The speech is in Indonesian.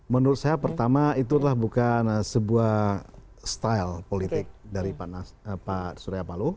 menurut saya pertama itu adalah bukan sebuah style politik dari pak surya paloh